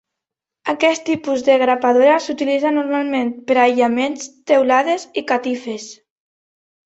Aquest tipus de grapadora s'utilitza normalment per a aïllaments, teulades i catifes.